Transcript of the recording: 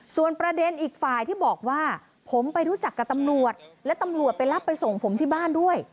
ส่วนประเด็นอีกฝ่ายที่บอกว่าผมไปรู้จักกับตำรวจและตำรวจไปรับไปส่งผมที่บ้านด้วย